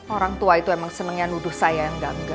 orang tua itu emang senangnya nuduh saya yang gangga